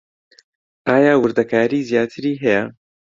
ئایا وردەکاریی زیاتر هەیە؟